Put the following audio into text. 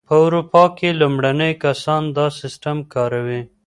په اروپا کې لومړني کسان دا سیسټم کاروي.